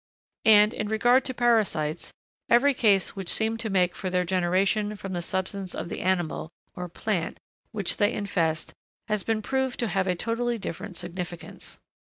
And, in regard to parasites, every case which seemed to make for their generation from the substance of the animal, or plant, which they infest has been proved to have a totally different significance.